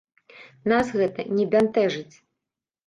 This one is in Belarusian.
Нас гэта не бянтэжыць!